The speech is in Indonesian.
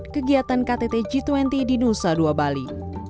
kegiatan ktt g dua puluh di nusa dua bali